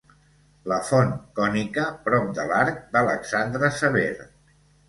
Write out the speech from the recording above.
La font cònica prop de l'arc d'Alexandre Sever.